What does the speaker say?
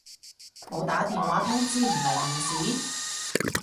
冇打電話通知唔嚟面試？